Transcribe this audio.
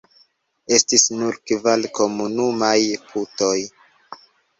Estis nur kvar komunumaj putoj.